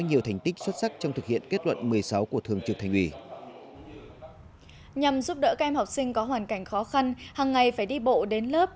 nhằm giúp đỡ các em học sinh có hoàn cảnh khó khăn hằng ngày phải đi bộ đến lớp